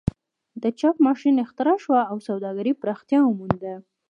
د چاپ ماشین اختراع شو او سوداګري پراختیا ومونده.